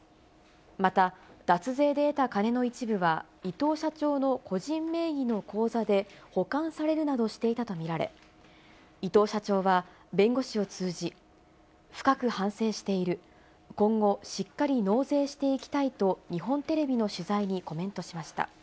また、脱税で得た金の一部は伊藤社長の個人名義の口座で保管されるなどしていたと見られ、伊藤社長は弁護士を通じ、深く反省している、今後しっかり納税していきたいと、日本テレビの取材にコメントしました。